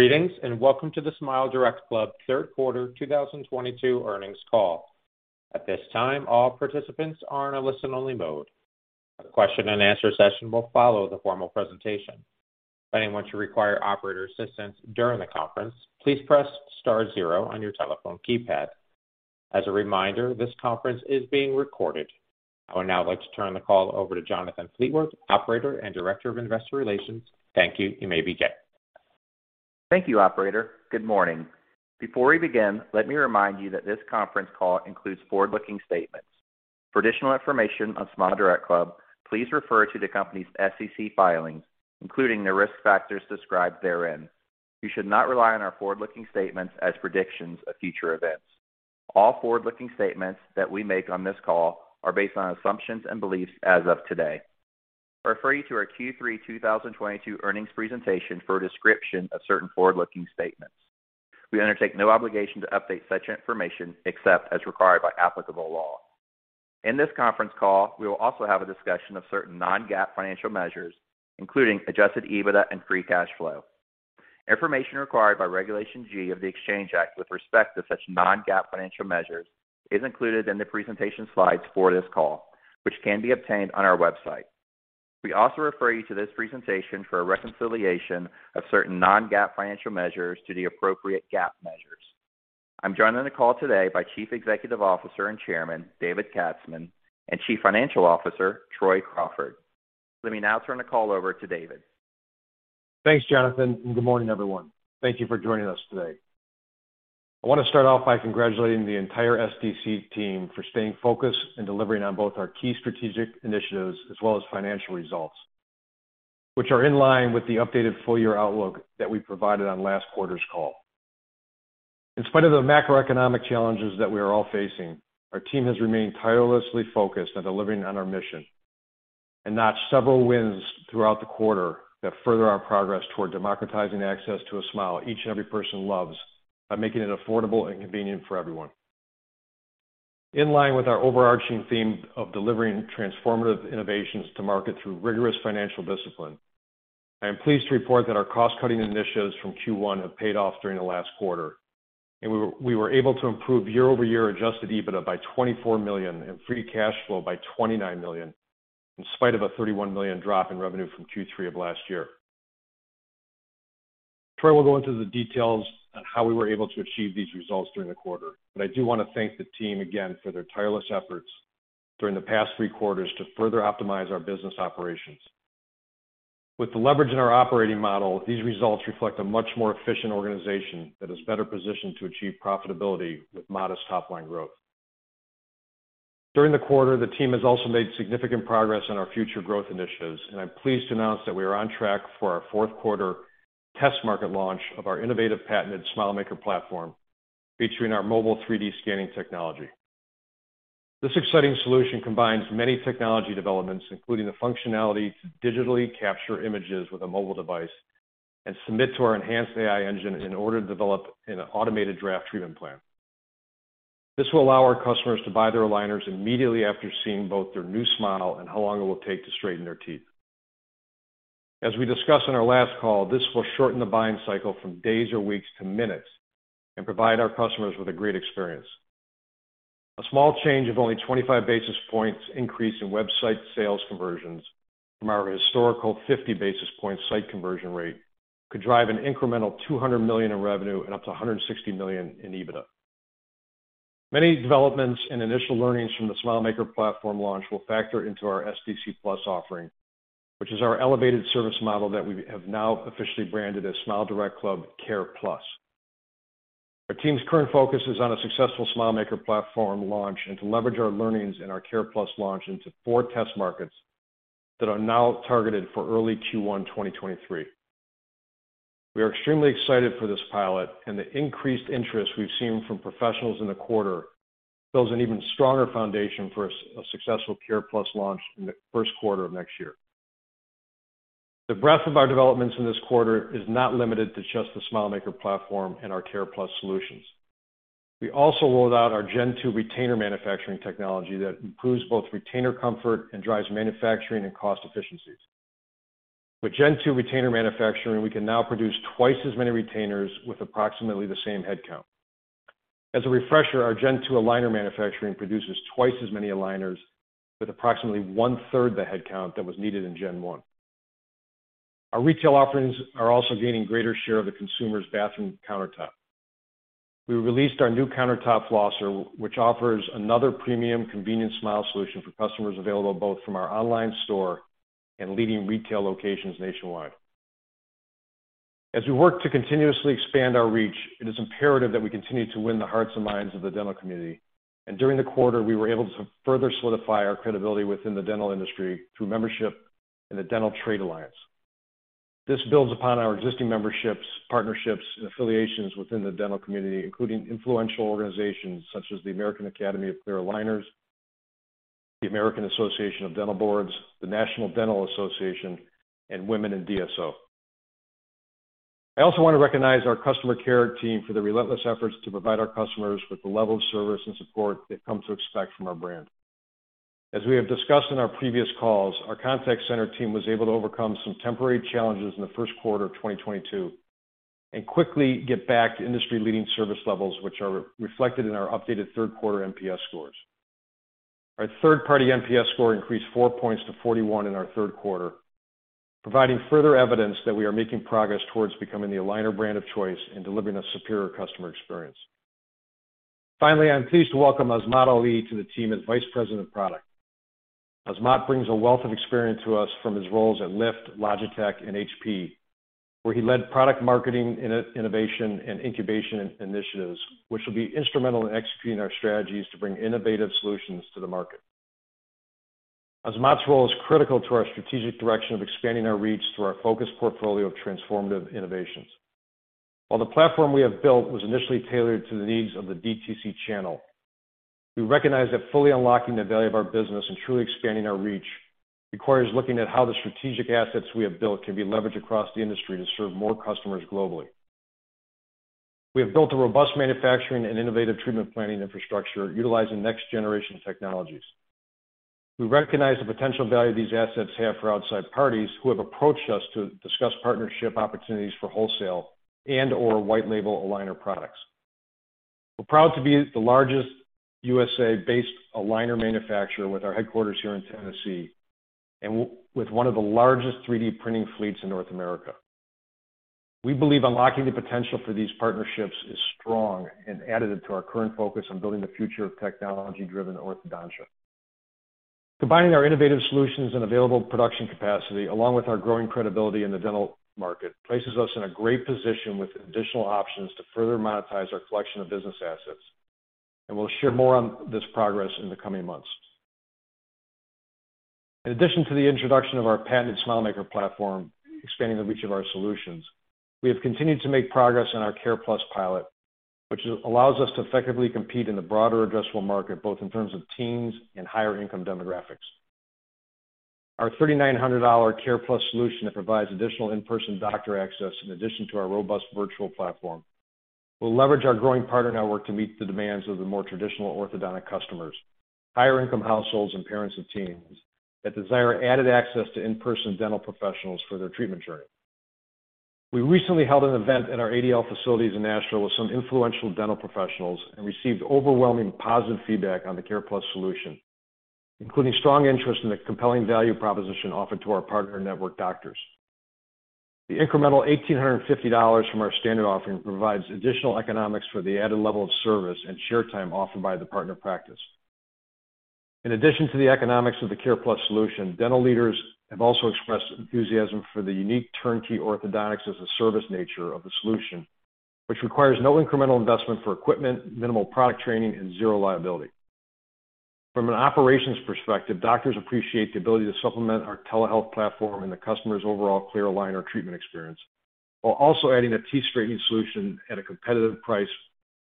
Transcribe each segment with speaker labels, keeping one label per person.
Speaker 1: Greetings, and welcome to the SmileDirectClub Third Quarter 2022 Earnings Call. At this time, all participants are in a listen-only mode. A question-and-answer session will follow the formal presentation. If anyone should require operator assistance during the conference, please press star zero on your telephone keypad. As a reminder, this conference is being recorded. I would now like to turn the call over to Jonathan Fleetwood, Director of Investor Relations. Thank you. You may begin.
Speaker 2: Thank you, operator. Good morning. Before we begin, let me remind you that this conference call includes forward-looking statements. For additional information on SmileDirectClub, please refer to the company's SEC filings, including the risk factors described therein. You should not rely on our forward-looking statements as predictions of future events. All forward-looking statements that we make on this call are based on assumptions and beliefs as of today. I refer you to our Q3 2022 earnings presentation for a description of certain forward-looking statements. We undertake no obligation to update such information except as required by applicable law. In this conference call, we will also have a discussion of certain non-GAAP financial measures, including Adjusted EBITDA and free cash flow. Information required by Regulation G of the Exchange Act with respect to such non-GAAP financial measures is included in the presentation slides for this call, which can be obtained on our website. We also refer you to this presentation for a reconciliation of certain non-GAAP financial measures to the appropriate GAAP measures. I'm joined on the call today by Chief Executive Officer and Chairman, David Katzman, and Chief Financial Officer, Troy Crawford. Let me now turn the call over to David.
Speaker 3: Thanks, Jonathan, and good morning, everyone. Thank you for joining us today. I want to start off by congratulating the entire SDC team for staying focused and delivering on both our key strategic initiatives as well as financial results, which are in line with the updated full-year outlook that we provided on last quarter's call. In spite of the macroeconomic challenges that we are all facing, our team has remained tirelessly focused on delivering on our mission and notched several wins throughout the quarter that further our progress toward democratizing access to a smile each and every person loves by making it affordable and convenient for everyone. In line with our overarching theme of delivering transformative innovations to market through rigorous financial discipline, I am pleased to report that our cost-cutting initiatives from Q1 have paid off during the last quarter, and we were able to improve year-over-year Adjusted EBITDA by $24 million and free cash flow by $29 million, in spite of a $31 million drop in revenue from Q3 of last year. Troy will go into the details on how we were able to achieve these results during the quarter, but I do want to thank the team again for their tireless efforts during the past three quarters to further optimize our business operations. With the leverage in our operating model, these results reflect a much more efficient organization that is better positioned to achieve profitability with modest top-line growth. During the quarter, the team has also made significant progress on our future growth initiatives, and I'm pleased to announce that we are on track for our fourth quarter test market launch of our innovative patented SmileMaker Platform, featuring our mobile 3D scanning technology. This exciting solution combines many technology developments, including the functionality to digitally capture images with a mobile device and submit to our enhanced AI engine in order to develop an automated draft treatment plan. This will allow our customers to buy their aligners immediately after seeing both their new smile and how long it will take to straighten their teeth. As we discussed on our last call, this will shorten the buying cycle from days or weeks to minutes and provide our customers with a great experience. A small change of only 25 basis points increase in website sales conversions from our historical 50 basis points site conversion rate could drive an incremental $200 million in revenue and up to $160 million in EBITDA. Many developments and initial learnings from the SmileMaker Platform launch will factor into our SDC+ offering, which is our elevated service model that we have now officially branded as SmileDirectClub Care+. Our team's current focus is on a successful SmileMaker Platform launch and to leverage our learnings in our Care+ launch into 4 test markets that are now targeted for early Q1 2023. We are extremely excited for this pilot and the increased interest we've seen from professionals in the quarter builds an even stronger foundation for a successful Care+ launch in the first quarter of next year. The breadth of our developments in this quarter is not limited to just the SmileMaker Platform and our Care+ solutions. We also rolled out our Gen 2 retainer manufacturing technology that improves both retainer comfort and drives manufacturing and cost efficiencies. With Gen 2 retainer manufacturing, we can now produce twice as many retainers with approximately the same headcount. As a refresher, our Gen 2 aligner manufacturing produces twice as many aligners with approximately one-third the headcount that was needed in Gen 1. Our retail offerings are also gaining greater share of the consumer's bathroom countertop. We released our new countertop flosser, which offers another premium convenient smile solution for customers available both from our online store and leading retail locations nationwide. As we work to continuously expand our reach, it is imperative that we continue to win the hearts and minds of the dental community. During the quarter, we were able to further solidify our credibility within the dental industry through membership in the Dental Trade Alliance. This builds upon our existing memberships, partnerships, and affiliations within the dental community, including influential organizations such as the American Academy of Clear Aligners, the American Association of Dental Boards, the National Dental Association, and Women in DSO. I also want to recognize our customer care team for their relentless efforts to provide our customers with the level of service and support they've come to expect from our brand. As we have discussed in our previous calls, our contact center team was able to overcome some temporary challenges in the first quarter of 2022 and quickly get back to industry-leading service levels, which are reflected in our updated third quarter NPS scores. Our third-party NPS score increased 4 points to 41 in our third quarter, providing further evidence that we are making progress towards becoming the aligner brand of choice and delivering a superior customer experience. Finally, I'm pleased to welcome Azmat Ali to the team as Vice President of Product. Azmat brings a wealth of experience to us from his roles at Lyft, Logitech, and HP, where he led product marketing, innovation, and incubation initiatives, which will be instrumental in executing our strategies to bring innovative solutions to the market. Azmat's role is critical to our strategic direction of expanding our reach through our focused portfolio of transformative innovations. While the platform we have built was initially tailored to the needs of the DTC channel, we recognize that fully unlocking the value of our business and truly expanding our reach requires looking at how the strategic assets we have built can be leveraged across the industry to serve more customers globally. We have built a robust manufacturing and innovative treatment planning infrastructure utilizing next-generation technologies. We recognize the potential value these assets have for outside parties who have approached us to discuss partnership opportunities for wholesale and/or white label aligner products. We're proud to be the largest U.S.-based aligner manufacturer with our headquarters here in Tennessee and with one of the largest 3D printing fleets in North America. We believe unlocking the potential for these partnerships is strong and additive to our current focus on building the future of technology-driven orthodontia. Combining our innovative solutions and available production capacity, along with our growing credibility in the dental market, places us in a great position with additional options to further monetize our collection of business assets, and we'll share more on this progress in the coming months. In addition to the introduction of our patented SmileMaker Platform, expanding the reach of our solutions, we have continued to make progress in our Care Plus pilot, which allows us to effectively compete in the broader addressable market, both in terms of teens and higher income demographics. Our $3,900 Care Plus solution that provides additional in-person doctor access in addition to our robust virtual platform, will leverage our growing partner network to meet the demands of the more traditional orthodontic customers, higher income households, and parents of teens that desire added access to in-person dental professionals for their treatment journey. We recently held an event at our ADL facilities in Nashville with some influential dental professionals and received overwhelming positive feedback on the Care+ solution, including strong interest in the compelling value proposition offered to our partner network doctors. The incremental $1,850 from our standard offering provides additional economics for the added level of service and share time offered by the partner practice. In addition to the economics of the Care+ solution, dental leaders have also expressed enthusiasm for the unique turnkey orthodontics as a service nature of the solution, which requires no incremental investment for equipment, minimal product training, and zero liability. From an operations perspective, doctors appreciate the ability to supplement our telehealth platform and the customer's overall clear aligner treatment experience while also adding a teeth straightening solution at a competitive price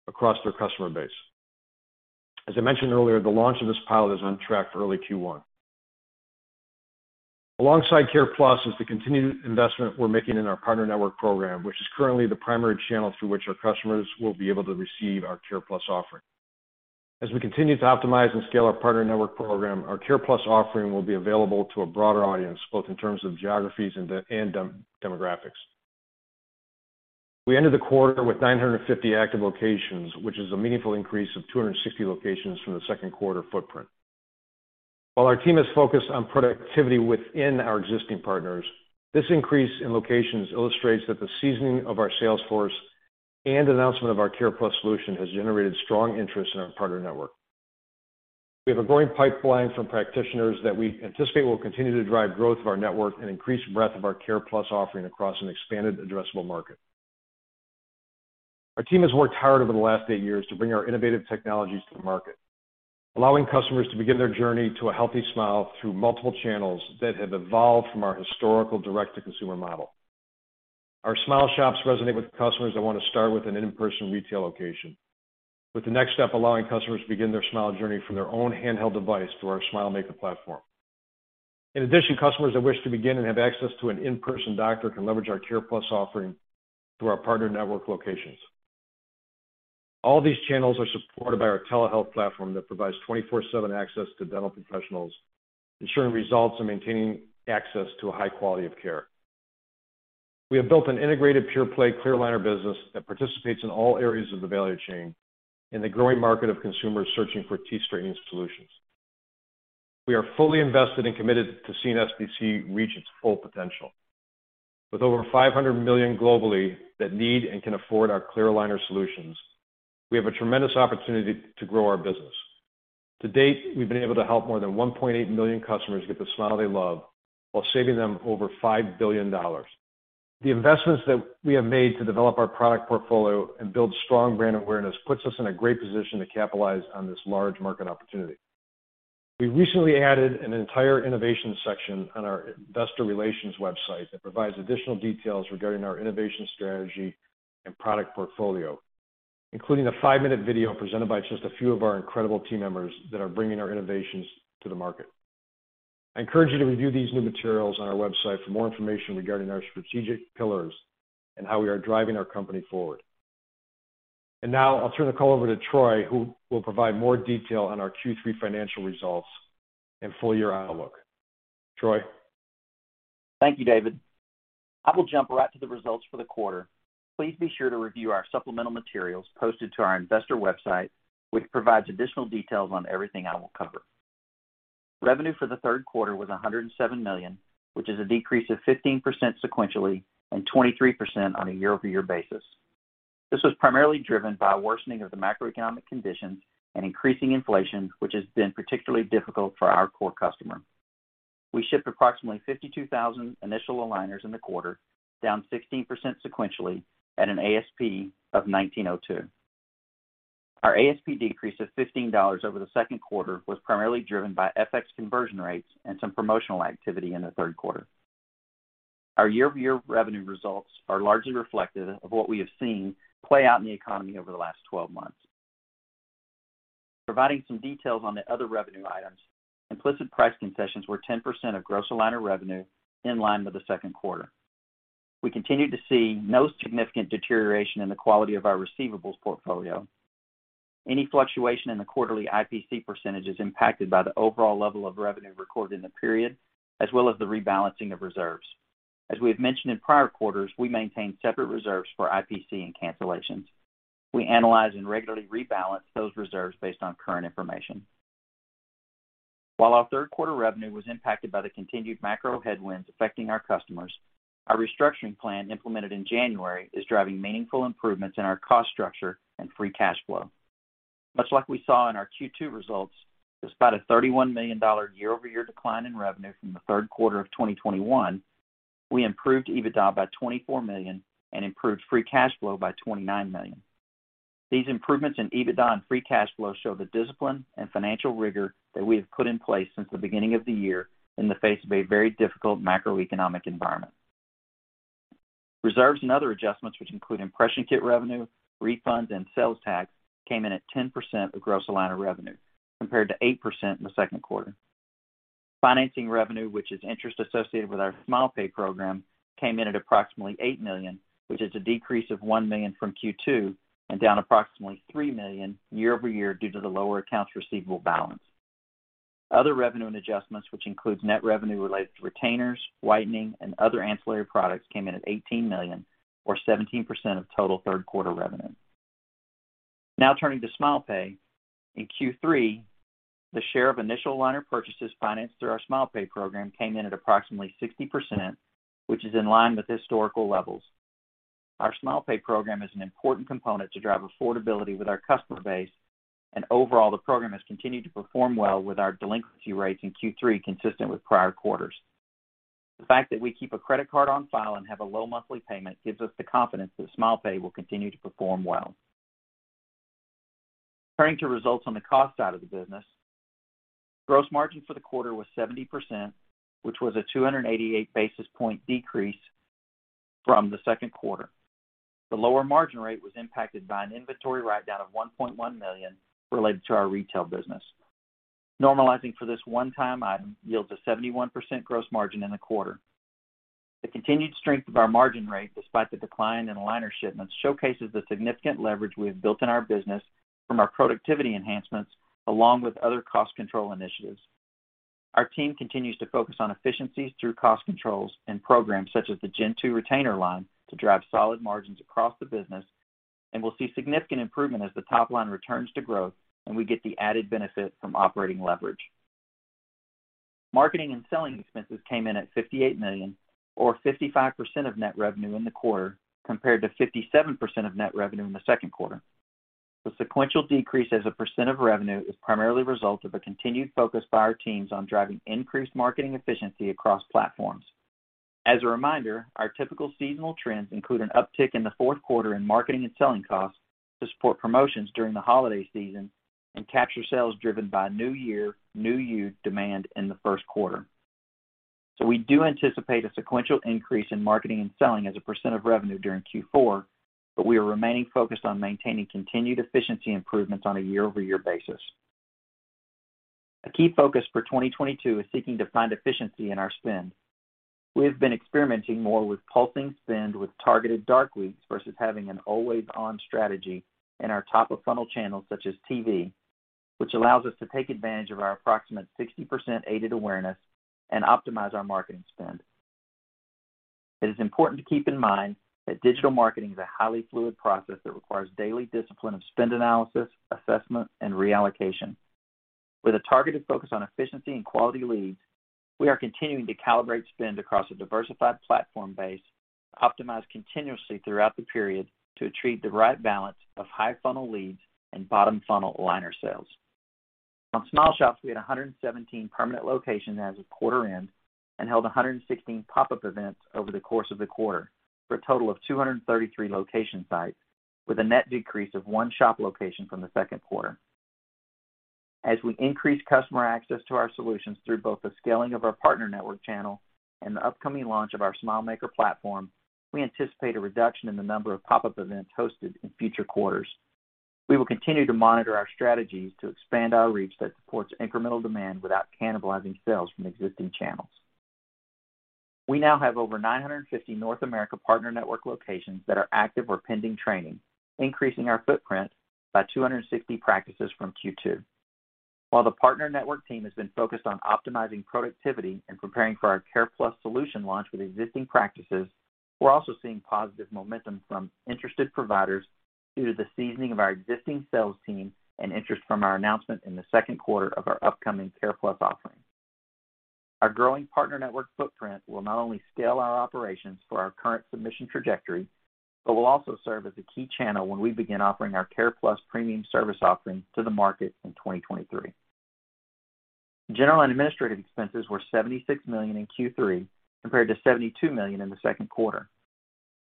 Speaker 3: across their customer base. As I mentioned earlier, the launch of this pilot is on track for early Q1. Alongside Care+ is the continued investment we're making in our partner network program, which is currently the primary channel through which our customers will be able to receive our Care+ offering. As we continue to optimize and scale our partner network program, our Care+ offering will be available to a broader audience, both in terms of geographies and demographics. We ended the quarter with 950 active locations, which is a meaningful increase of 260 locations from the second quarter footprint. While our team is focused on productivity within our existing partners, this increase in locations illustrates that the seasoning of our sales force and announcement of our Care+ solution has generated strong interest in our partner network. We have a growing pipeline from practitioners that we anticipate will continue to drive growth of our network and increase breadth of our Care+ offering across an expanded addressable market. Our team has worked hard over the last eight years to bring our innovative technologies to the market, allowing customers to begin their journey to a healthy smile through multiple channels that have evolved from our historical direct-to-consumer model. Our SmileShops resonate with customers that want to start with an in-person retail location, with the next step allowing customers to begin their smile journey from their own handheld device through our SmileMaker Platform. In addition, customers that wish to begin and have access to an in-person doctor can leverage our Care+ offering through our partner network locations. All these channels are supported by our telehealth platform that provides 24/7 access to dental professionals, ensuring results and maintaining access to a high quality of care. We have built an integrated pure play clear aligner business that participates in all areas of the value chain in the growing market of consumers searching for teeth straightening solutions. We are fully invested and committed to seeing SDC reach its full potential. With over 500 million globally that need and can afford our clear aligner solutions, we have a tremendous opportunity to grow our business. To date, we've been able to help more than 1.8 million customers get the smile they love while saving them over $5 billion. The investments that we have made to develop our product portfolio and build strong brand awareness puts us in a great position to capitalize on this large market opportunity. We recently added an entire innovation section on our investor relations website that provides additional details regarding our innovation strategy and product portfolio, including a five-minute video presented by just a few of our incredible team members that are bringing our innovations to the market. I encourage you to review these new materials on our website for more information regarding our strategic pillars and how we are driving our company forward. Now I'll turn the call over to Troy, who will provide more detail on our Q3 financial results and full year outlook. Troy?
Speaker 4: Thank you, David. I will jump right to the results for the quarter. Please be sure to review our supplemental materials posted to our investor website, which provides additional details on everything I will cover. Revenue for the third quarter was $107 million, which is a decrease of 15% sequentially and 23% on a year-over-year basis. This was primarily driven by a worsening of the macroeconomic conditions and increasing inflation, which has been particularly difficult for our core customer. We shipped approximately 52,000 initial aligners in the quarter, down 16% sequentially at an ASP of $1,902. Our ASP decrease of $15 over the second quarter was primarily driven by FX conversion rates and some promotional activity in the third quarter. Our year-over-year revenue results are largely reflective of what we have seen play out in the economy over the last 12 months. Providing some details on the other revenue items, implicit price concessions were 10% of gross aligner revenue in line with the second quarter. We continued to see no significant deterioration in the quality of our receivables portfolio. Any fluctuation in the quarterly IPC percentage is impacted by the overall level of revenue recorded in the period, as well as the rebalancing of reserves. As we have mentioned in prior quarters, we maintain separate reserves for IPC and cancellations. We analyze and regularly rebalance those reserves based on current information. While our third quarter revenue was impacted by the continued macro headwinds affecting our customers, our restructuring plan implemented in January is driving meaningful improvements in our cost structure and free cash flow. Much like we saw in our Q2 results, despite a $31 million year-over-year decline in revenue from the third quarter of 2021, we improved EBITDA by $24 million and improved free cash flow by $29 million. These improvements in EBITDA and free cash flow show the discipline and financial rigor that we have put in place since the beginning of the year in the face of a very difficult macroeconomic environment. Reserves and other adjustments which include impression kit revenue, refunds and sales tax came in at 10% of gross aligner revenue compared to 8% in the second quarter. Financing revenue, which is interest associated with our SmilePay program, came in at approximately $8 million, which is a decrease of $1 million from Q2 and down approximately $3 million year-over-year due to the lower accounts receivable balance. Other revenue and adjustments, which includes net revenue related to retainers, whitening, and other ancillary products, came in at $18 million or 17% of total third quarter revenue. Now turning to SmilePay. In Q3, the share of initial aligner purchases financed through our SmilePay program came in at approximately 60%, which is in line with historical levels. Our SmilePay program is an important component to drive affordability with our customer base, and overall, the program has continued to perform well with our delinquency rates in Q3 consistent with prior quarters. The fact that we keep a credit card on file and have a low monthly payment gives us the confidence that SmilePay will continue to perform well. Turning to results on the cost side of the business, gross margin for the quarter was 70%, which was a 288 basis point decrease from the second quarter. The lower margin rate was impacted by an inventory write down of $1.1 million related to our retail business. Normalizing for this one-time item yields a 71% gross margin in the quarter. The continued strength of our margin rate, despite the decline in aligner shipments, showcases the significant leverage we have built in our business from our productivity enhancements along with other cost control initiatives. Our team continues to focus on efficiencies through cost controls and programs such as the Gen 2 retainer line to drive solid margins across the business. We'll see significant improvement as the top line returns to growth and we get the added benefit from operating leverage. Marketing and selling expenses came in at $58 million or 55% of net revenue in the quarter compared to 57% of net revenue in the second quarter. The sequential decrease as a percent of revenue is primarily a result of a continued focus by our teams on driving increased marketing efficiency across platforms. As a reminder, our typical seasonal trends include an uptick in the fourth quarter in marketing and selling costs to support promotions during the holiday season and capture sales driven by new year, new you demand in the first quarter. We do anticipate a sequential increase in marketing and selling as a percent of revenue during Q4, but we are remaining focused on maintaining continued efficiency improvements on a year-over-year basis. A key focus for 2022 is seeking to find efficiency in our spend. We have been experimenting more with pulsing spend with targeted dark weeks versus having an always on strategy in our top of funnel channels such as TV, which allows us to take advantage of our approximate 60% aided awareness and optimize our marketing spend. It is important to keep in mind that digital marketing is a highly fluid process that requires daily discipline of spend analysis, assessment, and reallocation. With a targeted focus on efficiency and quality leads, we are continuing to calibrate spend across a diversified platform base, optimized continuously throughout the period to achieve the right balance of high funnel leads and bottom funnel aligner sales. On SmileShops, we had 117 permanent locations as of quarter end and held 116 pop-up events over the course of the quarter, for a total of 233 location sites, with a net decrease of 1 shop location from the second quarter. As we increase customer access to our solutions through both the scaling of our partner network channel and the upcoming launch of our SmileMaker Platform, we anticipate a reduction in the number of pop-up events hosted in future quarters. We will continue to monitor our strategies to expand our reach that supports incremental demand without cannibalizing sales from existing channels. We now have over 950 North America partner network locations that are active or pending training, increasing our footprint by 260 practices from Q2. While the partner network team has been focused on optimizing productivity and preparing for our Care+ solution launch with existing practices, we're also seeing positive momentum from interested providers due to the seasoning of our existing sales team and interest from our announcement in the second quarter of our upcoming Care+ offering. Our growing partner network footprint will not only scale our operations for our current submission trajectory, but will also serve as a key channel when we begin offering our Care+ premium service offering to the market in 2023. General and administrative expenses were $76 million in Q3 compared to $72 million in the second quarter.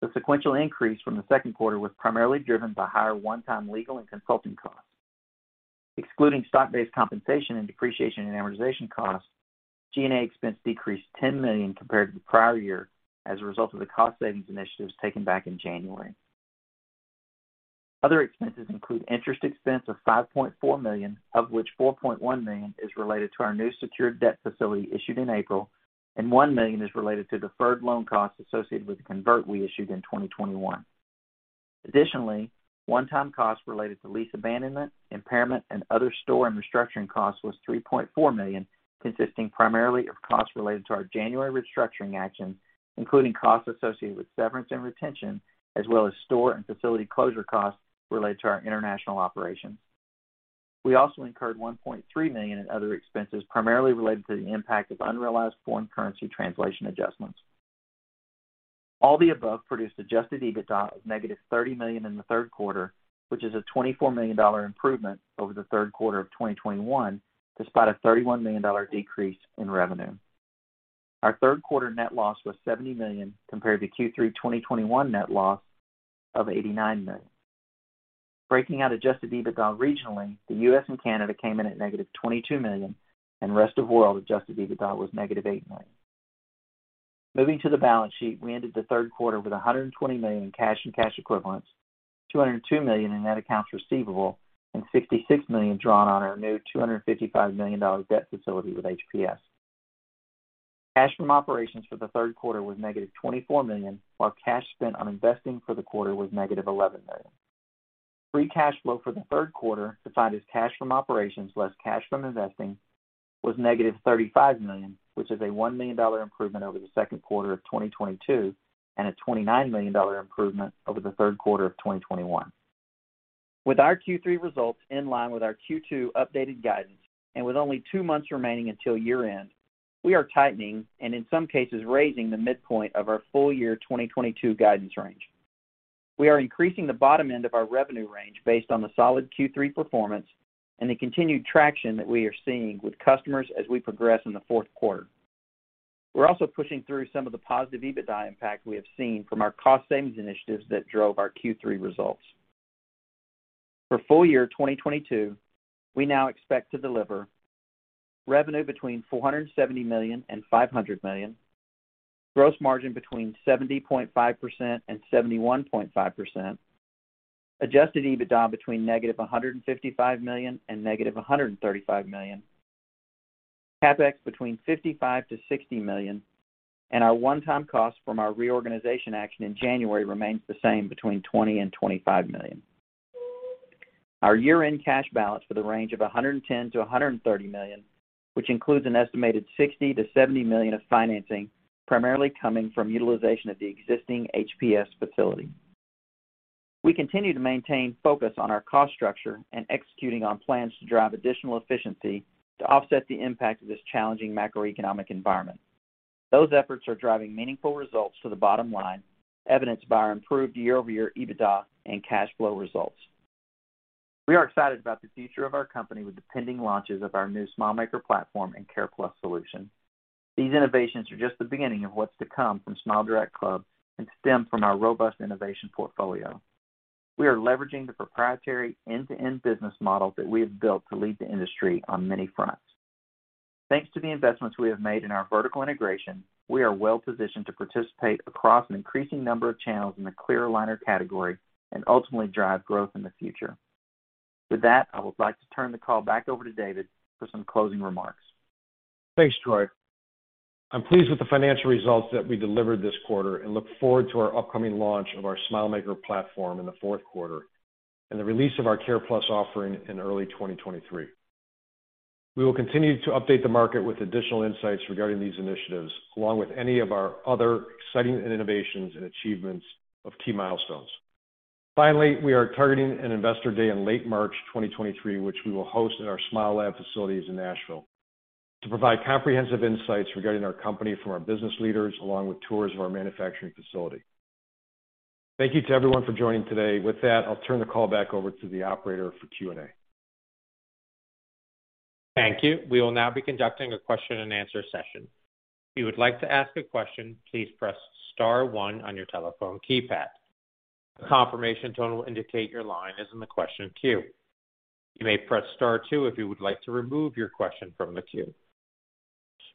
Speaker 4: The sequential increase from the second quarter was primarily driven by higher one-time legal and consulting costs. Excluding stock-based compensation and depreciation and amortization costs, G&A expense decreased $10 million compared to the prior year as a result of the cost savings initiatives taken back in January. Other expenses include interest expense of $5.4 million, of which $4.1 million is related to our new secured debt facility issued in April, and $1 million is related to deferred loan costs associated with the convert we issued in 2021. Additionally, one-time costs related to lease abandonment, impairment, and other store and restructuring costs was $3.4 million, consisting primarily of costs related to our January restructuring actions, including costs associated with severance and retention, as well as store and facility closure costs related to our international operations. We also incurred $1.3 million in other expenses primarily related to the impact of unrealized foreign currency translation adjustments. All the above produced Adjusted EBITDA of negative $30 million in the third quarter, which is a $24 million improvement over the third quarter of 2021, despite a $31 million decrease in revenue. Our third quarter net loss was $70 million compared to Q3 2021 net loss of $89 million. Breaking out Adjusted EBITDA regionally, the U.S. and Canada came in at negative $22 million and rest of world Adjusted EBITDA was negative $8 million. Moving to the balance sheet, we ended the third quarter with $120 million in cash and cash equivalents, $202 million in net accounts receivable, and $66 million drawn on our new $255 million debt facility with HPS. Cash from operations for the third quarter was negative $24 million, while cash spent on investing for the quarter was negative $11 million. Free cash flow for the third quarter, defined as cash from operations less cash from investing, was -$35 million, which is a $1 million improvement over the second quarter of 2022 and a $29 million improvement over the third quarter of 2021. With our Q3 results in line with our Q2 updated guidance, and with only 2 months remaining until year-end, we are tightening and in some cases, raising the midpoint of our full-year 2022 guidance range. We are increasing the bottom end of our revenue range based on the solid Q3 performance and the continued traction that we are seeing with customers as we progress in the fourth quarter. We're also pushing through some of the positive EBITDA impact we have seen from our cost savings initiatives that drove our Q3 results. For full year 2022, we now expect to deliver revenue between $470-$500 million, gross margin between 70.5% and 71.5%, Adjusted EBITDA between -$155 million and -$135 million, CapEx between 55-60 million, and our one-time cost from our reorganization action in January remains the same, between $20-$25 million. Our year-end cash balance in the range of $110-$130 million, which includes an estimated $60-$70 million of financing primarily coming from utilization of the existing HPS facility. We continue to maintain focus on our cost structure and executing on plans to drive additional efficiency to offset the impact of this challenging macroeconomic environment. Those efforts are driving meaningful results to the bottom line, evidenced by our improved year-over-year EBITDA and cash flow results. We are excited about the future of our company with the pending launches of our new SmileMaker Platform and Care+ solution. These innovations are just the beginning of what's to come from SmileDirectClub and stem from our robust innovation portfolio. We are leveraging the proprietary end-to-end business model that we have built to lead the industry on many fronts. Thanks to the investments we have made in our vertical integration, we are well positioned to participate across an increasing number of channels in the clear aligner category and ultimately drive growth in the future. With that, I would like to turn the call back over to David for some closing remarks.
Speaker 3: Thanks, Troy. I'm pleased with the financial results that we delivered this quarter and look forward to our upcoming launch of our SmileMaker Platform in the fourth quarter and the release of our Care+ offering in early 2023. We will continue to update the market with additional insights regarding these initiatives, along with any of our other exciting innovations and achievements of key milestones. Finally, we are targeting an Investor Day in late March 2023, which we will host at our SmileLab facilities in Nashville, to provide comprehensive insights regarding our company from our business leaders, along with tours of our manufacturing facility. Thank you to everyone for joining today. With that, I'll turn the call back over to the operator for Q&A.
Speaker 1: Thank you. We will now be conducting a question and answer session. If you would like to ask a question, please press star one on your telephone keypad. A confirmation tone will indicate your line is in the question queue. You may press star two if you would like to remove your question from the queue.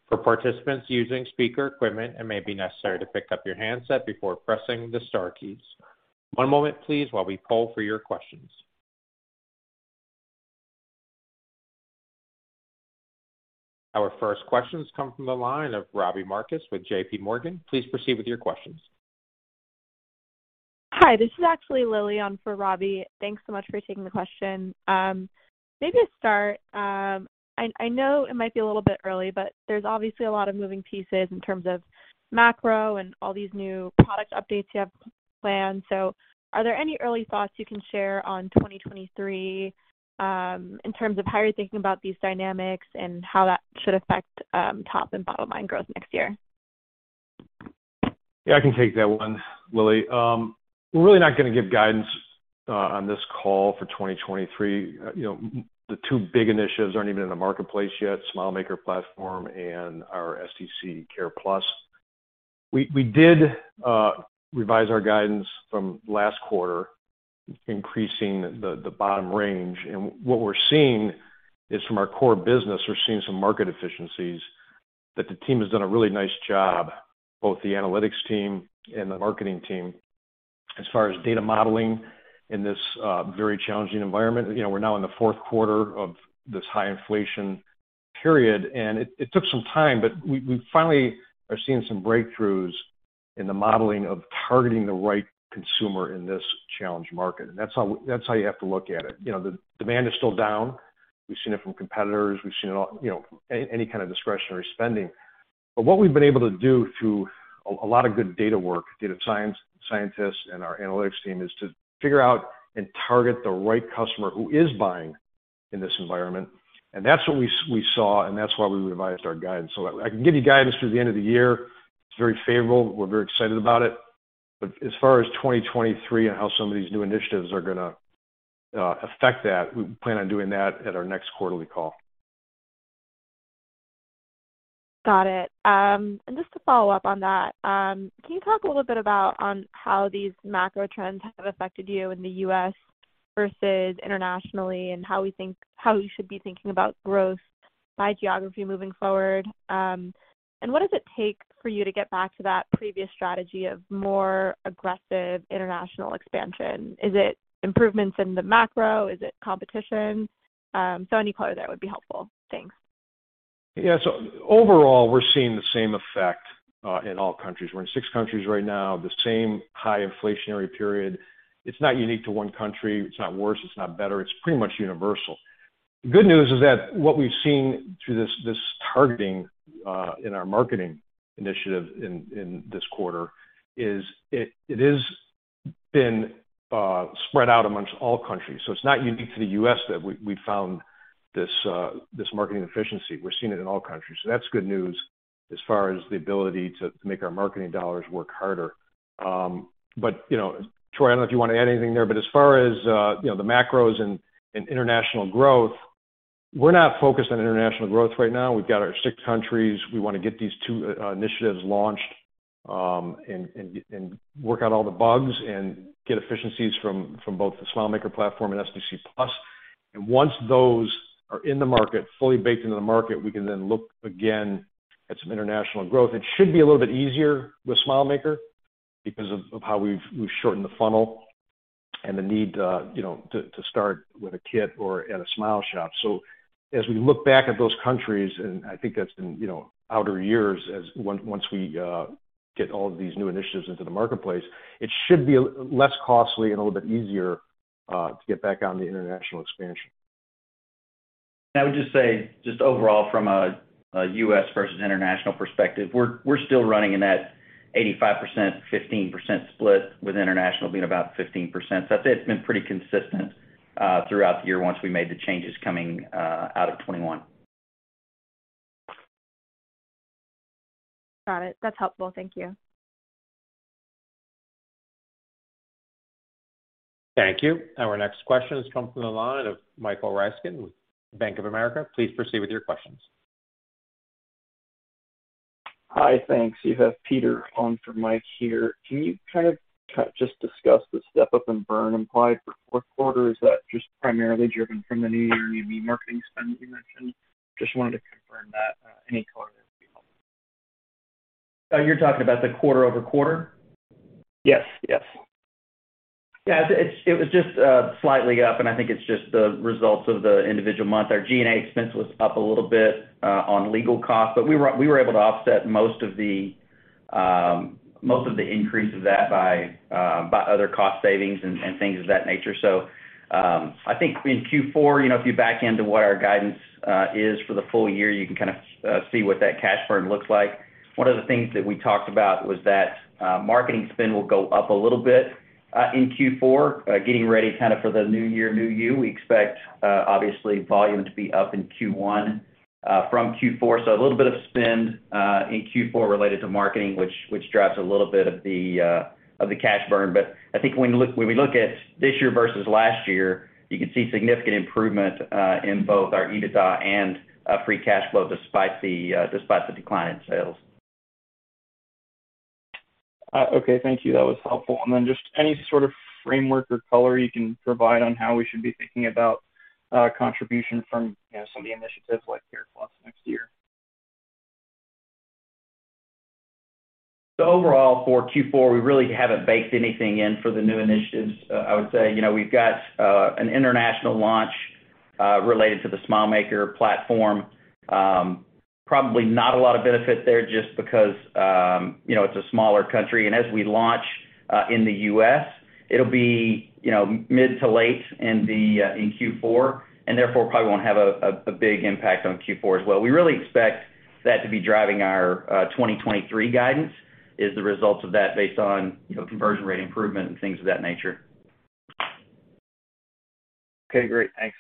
Speaker 1: For participants using speaker equipment, it may be necessary to pick up your handset before pressing the star keys. One moment, please, while we poll for your questions. Our first questions come from the line of Robbie Marcus with J.P. Morgan. Please proceed with your questions.
Speaker 5: Hi, this is actually Lily on for Robbie Marcus. Thanks so much for taking the question. Maybe to start, I know it might be a little bit early, but there's obviously a lot of moving pieces in terms of macro and all these new product updates you have planned. Are there any early thoughts you can share on 2023, in terms of how you're thinking about these dynamics and how that should affect top and bottom line growth next year?
Speaker 3: Yeah, I can take that one, Lily. We're really not gonna give guidance on this call for 2023. You know, the two big initiatives aren't even in the marketplace yet, SmileMaker Platform and our SDC Care+. We did revise our guidance from last quarter, increasing the bottom range. What we're seeing is from our core business, we're seeing some market efficiencies, that the team has done a really nice job, both the analytics team and the marketing team, as far as data modeling in this very challenging environment. You know, we're now in the fourth quarter of this high inflation period, and it took some time, but we finally are seeing some breakthroughs in the modeling of targeting the right consumer in this challenged market. That's how you have to look at it. You know, the demand is still down. We've seen it from competitors. We've seen it all, you know, any kind of discretionary spending. What we've been able to do through a lot of good data work, data science, scientists and our analytics team, is to figure out and target the right customer who is buying in this environment. That's what we saw, and that's why we revised our guidance. I can give you guidance through the end of the year. It's very favorable. We're very excited about it. As far as 2023 and how some of these new initiatives are gonna affect that, we plan on doing that at our next quarterly call.
Speaker 5: Got it. Just to follow up on that, can you talk a little bit about on how these macro trends have affected you in the U.S. versus internationally, and how we should be thinking about growth by geography moving forward? What does it take for you to get back to that previous strategy of more aggressive international expansion? Is it improvements in the macro? Is it competition? Any color there would be helpful. Thanks.
Speaker 3: Yeah. Overall, we're seeing the same effect in all countries. We're in six countries right now, the same high inflationary period. It's not unique to one country. It's not worse, it's not better, it's pretty much universal. The good news is that what we've seen through this targeting in our marketing initiative in this quarter is it has been spread out amongst all countries. It's not unique to the U.S. that we found this marketing efficiency. We're seeing it in all countries. That's good news as far as the ability to make our marketing dollars work harder. But you know, Troy, I don't know if you want to add anything there. As far as you know, the macros and international growth, we're not focused on international growth right now. We've got our six countries. We wanna get these two initiatives launched and work out all the bugs and get efficiencies from both the SmileMaker Platform and SDC Plus. Once those are in the market, fully baked into the market, we can then look again at some international growth. It should be a little bit easier with SmileMaker because of how we've shortened the funnel and the need you know to start with a kit or at a Smile Shop. As we look back at those countries, and I think that's been you know outer years once we get all of these new initiatives into the marketplace, it should be less costly and a little bit easier to get back on the international expansion.
Speaker 4: I would just say overall from a US versus international perspective, we're still running in that 85%, 15% split, with international being about 15%. I'd say it's been pretty consistent throughout the year once we made the changes coming out of 2021.
Speaker 5: Got it. That's helpful. Thank you.
Speaker 1: Thank you. Our next question comes from the line of Michael Ryskin with Bank of America. Please proceed with your questions.
Speaker 6: Hi. Thanks. You have Peter on for Mike here. Can you kind of just discuss the step-up in burn implied for fourth quarter? Is that just primarily driven from the New Year, New Me marketing spend that you mentioned? Just wanted to confirm that. Any color there would be helpful.
Speaker 4: You're talking about the quarter-over-quarter?
Speaker 6: Yes. Yes.
Speaker 4: Yeah. It was just slightly up, and I think it's just the results of the individual month. Our G&A expense was up a little bit on legal costs, but we were able to offset most of the increase of that by other cost savings and things of that nature. I think in Q4, you know, if you back into what our guidance is for the full year, you can kind of see what that cash burn looks like. One of the things that we talked about was that marketing spend will go up a little bit in Q4, getting ready kind of for the New Year, New You. We expect obviously volume to be up in Q1 from Q4. A little bit of spend in Q4 related to marketing, which drives a little bit of the cash burn. I think when we look at this year versus last year, you can see significant improvement in both our EBITDA and free cash flow despite the decline in sales.
Speaker 6: Okay. Thank you. That was helpful. Just any sort of framework or color you can provide on how we should be thinking about contribution from, you know, some of the initiatives like Care+ next year?
Speaker 4: Overall for Q4, we really haven't baked anything in for the new initiatives. I would say, you know, we've got an international launch related to the SmileMaker Platform. Probably not a lot of benefit there just because, you know, it's a smaller country. As we launch in the US, it'll be, you know, mid to late in Q4, and therefore probably won't have a big impact on Q4 as well. We really expect that to be driving our 2023 guidance, is the results of that based on, you know, conversion rate improvement and things of that nature.
Speaker 7: Okay, great. Thanks.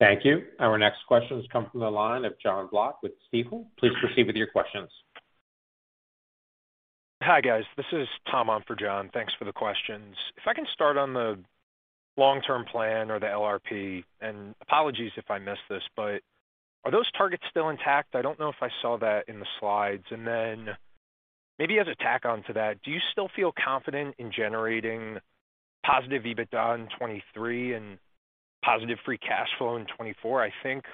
Speaker 1: Thank you. Our next question comes from the line of Jon Block with Stifel. Please proceed with your questions.
Speaker 7: Hi, guys. This is Tom on for Jon. Thanks for the questions. If I can start on the long-term plan or the LRP, and apologies if I missed this, but are those targets still intact? I don't know if I saw that in the slides. Maybe as a tack on to that, do you still feel confident in generating positive EBITDA in 2023 and positive free cash flow in 2024? I think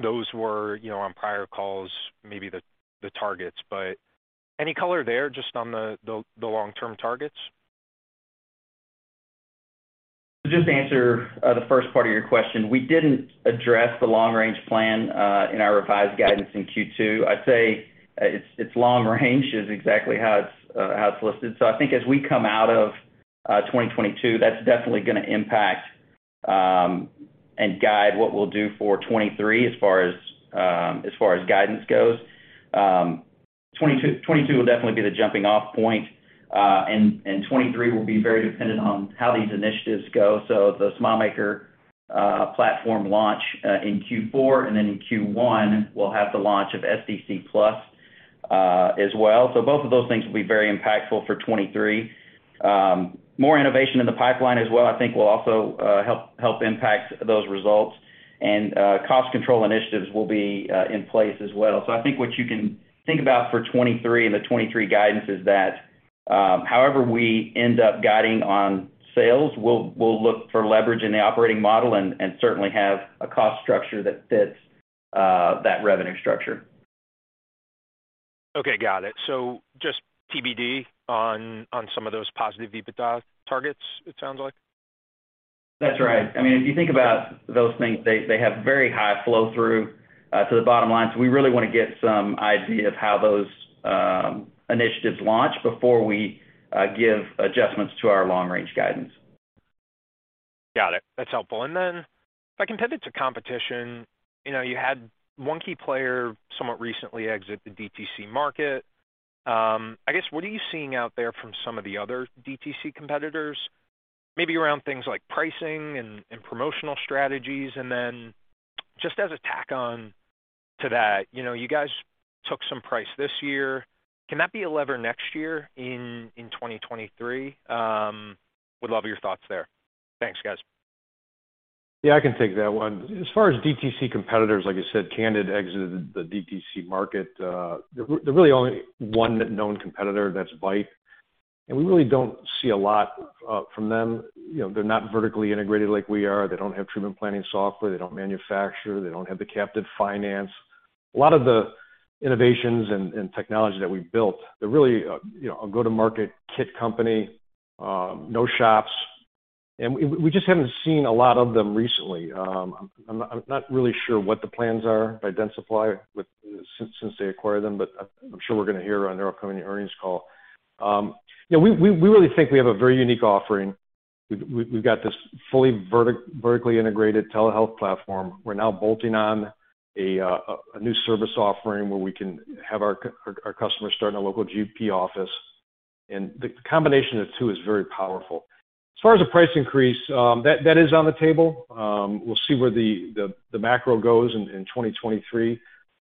Speaker 7: those were, you know, on prior calls, maybe the long-term targets. Any color there just on the long-term targets?
Speaker 4: Just to answer, the first part of your question, we didn't address the long range plan in our revised guidance in Q2. I'd say, it's long range is exactly how it's listed. I think as we come out of 2022, that's definitely gonna impact and guide what we'll do for 2023 as far as guidance goes. 2022 will definitely be the jumping off point. 2023 will be very dependent on how these initiatives go. The SmileMaker Platform launch in Q4, and then in Q1, we'll have the launch of SDC+ as well. Both of those things will be very impactful for 2023. More innovation in the pipeline as well, I think will also help impact those results. Cost control initiatives will be in place as well. I think what you can think about for 2023 and the 2023 guidance is that, however we end up guiding on sales, we'll look for leverage in the operating model and certainly have a cost structure that fits that revenue structure.
Speaker 7: Okay, got it. Just TBD on some of those positive EBITDA targets, it sounds like.
Speaker 4: That's right. I mean, if you think about those things, they have very high flow through to the bottom line. We really wanna get some idea of how those initiatives launch before we give adjustments to our long range guidance.
Speaker 7: Got it. That's helpful. Then if I can pivot to competition. You know, you had one key player somewhat recently exit the DTC market. I guess, what are you seeing out there from some of the other DTC competitors? Maybe around things like pricing and promotional strategies. Then just as a tack on to that, you know, you guys took some price this year. Can that be a lever next year in 2023? Would love your thoughts there. Thanks, guys.
Speaker 3: Yeah, I can take that one. As far as DTC competitors, like you said, Candid exited the DTC market. The really only one known competitor, that's Byte. We really don't see a lot from them. You know, they're not vertically integrated like we are. They don't have treatment planning software. They don't manufacture. They don't have the captive finance. A lot of the innovations and technology that we've built, they're really, you know, a go-to-market kit company, no shops. I'm not really sure what the plans are by Dentsply since they acquired them, but I'm sure we're gonna hear on their upcoming earnings call. You know, we really think we have a very unique offering. We've got this fully vertically integrated telehealth platform. We're now bolting on a new service offering where we can have our customers start in a local GP office. The combination of the two is very powerful. As far as the price increase, that is on the table. We'll see where the macro goes in 2023.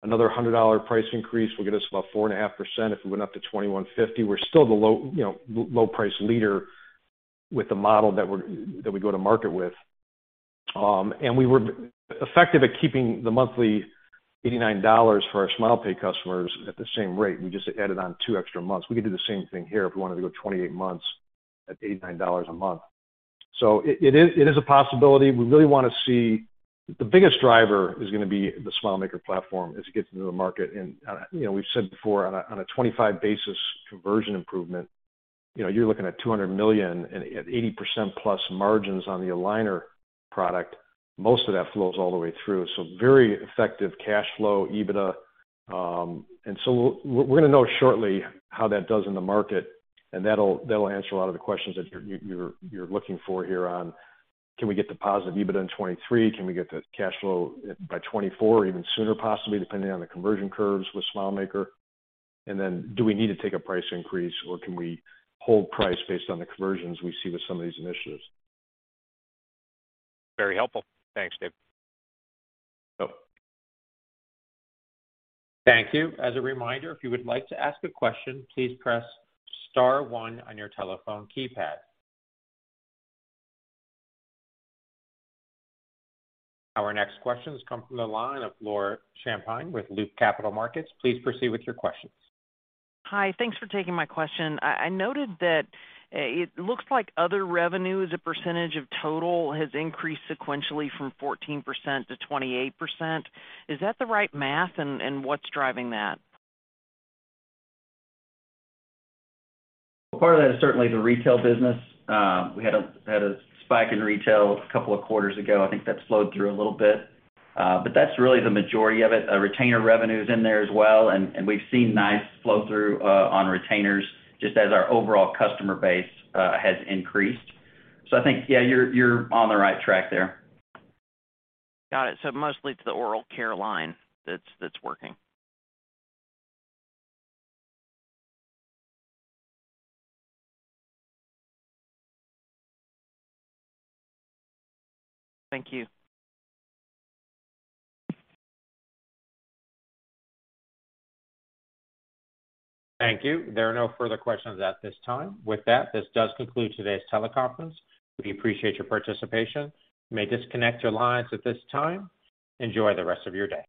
Speaker 3: Another $100 price increase will get us about 4.5% if we went up to $2,150. We're still the low, you know, low price leader with the model that we go to market with. We were effective at keeping the monthly $89 for our SmilePay customers at the same rate. We just added on two extra months. We could do the same thing here if we wanted to go 28 months at $89 a month. It is a possibility. We really wanna see the biggest driver is gonna be the SmileMaker Platform as it gets into the market. You know, we've said before on a 25 basis point conversion improvement, you know, you're looking at $200 million and at 80%+ margins on the aligner product. Most of that flows all the way through. Very effective cash flow, EBITDA. We're gonna know shortly how that does in the market, and that'll answer a lot of the questions that you're looking for here on, can we get to positive EBITDA in 2023? Can we get to cash flow by 2024 or even sooner, possibly, depending on the conversion curves with SmileMaker? Do we need to take a price increase, or can we hold price based on the conversions we see with some of these initiatives?
Speaker 7: Very helpful. Thanks, David.
Speaker 3: Yep.
Speaker 1: Thank you. As a reminder, if you would like to ask a question, please press star one on your telephone keypad. Our next question comes from the line of Laura Champine with Loop Capital Markets. Please proceed with your questions.
Speaker 8: Hi. Thanks for taking my question. I noted that it looks like other revenue as a percentage of total has increased sequentially from 14% to 28%. Is that the right math, and what's driving that?
Speaker 4: Part of that is certainly the retail business. We had a spike in retail a couple of quarters ago. I think that slowed through a little bit. But that's really the majority of it. Retainer revenue is in there as well, and we've seen nice flow through on retainers, just as our overall customer base has increased. I think, yeah, you're on the right track there.
Speaker 8: Got it. Mostly it's the oral care line that's working. Thank you.
Speaker 1: Thank you. There are no further questions at this time. With that, this does conclude today's teleconference. We appreciate your participation. You may disconnect your lines at this time. Enjoy the rest of your day.